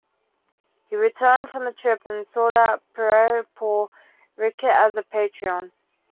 He returned from the trip and sought out Pierre-Paul Riquet as a patron.